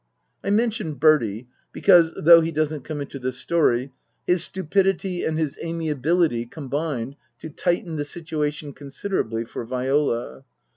(I mention Bertie because, though he doesn't come into this story, his stupidjty and his amiability combined to tighten the situation considerably for Viola.)